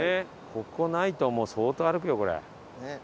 ここないともう相当歩くよこれ。